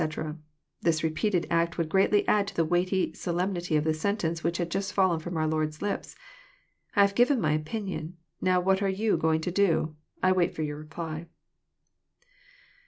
'] This repeated act would greatly add to the weighty solemnity of the sentence which had just fallen from oar Lord's lips. '* I have given my opinion ; —now what are you going to do? I wait for your reply."